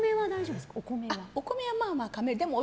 お米はまあまあ、かめる。